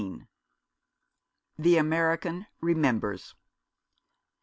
THE AMERICAN REMEMBERS.